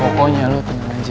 pokoknya lo tenang aja